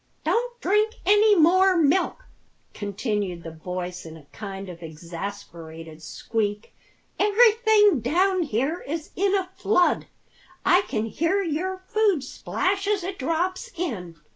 "Don't drink any more milk," continued the voice in a kind of exasperated squeak. "Everything down here is in a flood. I can hear your food splash as it drops in.